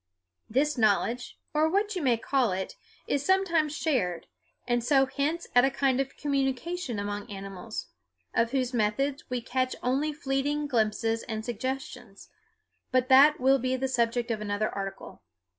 This knowledge, or what you may call it, is sometimes shared, and so hints at a kind of communication among animals, of whose method we catch only fleeting glimpses and suggestions but that will be the subject of another article.